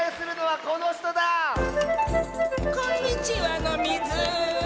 こんにちはのミズ。